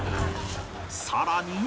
さらに